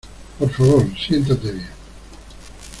Por favor, siéntate bien.